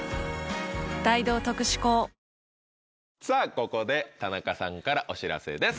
ここで田中さんからお知らせです。